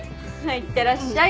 いってらっしゃい。